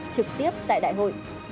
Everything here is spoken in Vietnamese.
trực tiếp tại đại hội